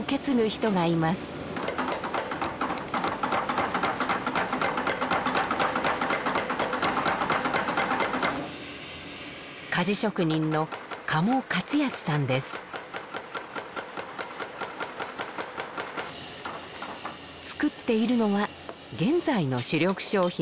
鍛冶職人の作っているのは現在の主力商品。